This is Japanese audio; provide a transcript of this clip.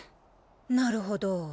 なるほど。